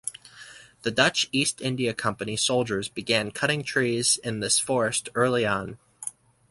Dutch East India Company soldiers began cutting trees in this forest early on.